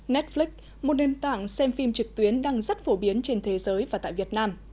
netflix một nền tảng xem phim trực tuyến đang rất phổ biến trên thế giới và tại việt nam